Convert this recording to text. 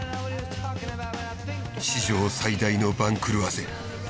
史上最大の番狂わせ。